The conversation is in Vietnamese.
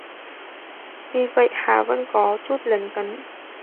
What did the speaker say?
tuy vậy Hà vẫn có chút lấn cấn